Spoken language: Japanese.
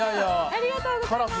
ありがとうございます。